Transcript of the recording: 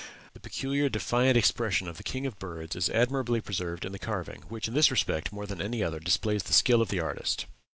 The peculiar defiant expression of the king of birds is admirably preserved in the carving, which in this respect, more than any other, displays the skill of the artist."